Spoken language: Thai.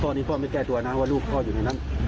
นี้พ่อไม่แก้ตัวนะว่าลูกพ่ออยู่ในนั้น